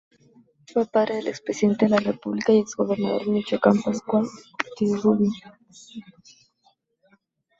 Fue padre del expresidente de la república y exgobernador de Michoacán, Pascual Ortiz Rubio.